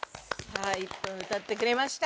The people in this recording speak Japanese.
はい１分歌ってくれました。